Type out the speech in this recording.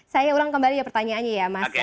saya ulang kembali ya pertanyaannya ya mas mk ya